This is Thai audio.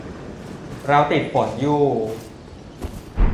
เราติดฝนอยู่